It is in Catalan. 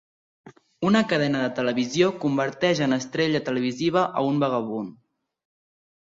Una cadena de televisió converteix en estrella televisiva a un vagabund.